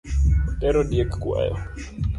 Otero diek kwayo